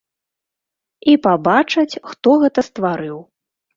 І пабачаць, хто гэта стварыў.